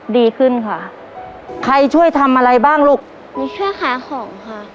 ดีขึ้นค่ะใครช่วยทำอะไรบ้างลูกมีช่วยหาของค่ะ